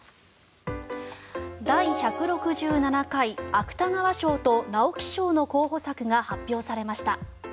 第１６７回芥川賞と直木賞の候補作が発表されました。